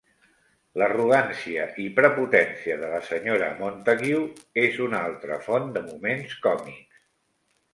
L'arrogància i prepotència de la Sra. Montague és una altra font de moments còmics.